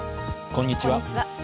こんにちは。